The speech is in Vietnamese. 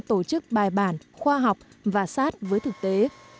tổ chức bài bản khoa học và sát với thực tế